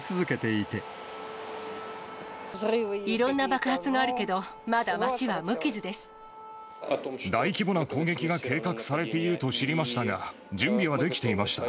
いろんな爆発があるけど、大規模な攻撃が計画されていると知りましたが、準備はできていました。